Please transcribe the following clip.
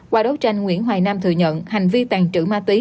qua đấu tranh nguyễn hoài nam thừa nhận hành vi tàn trữ ma túy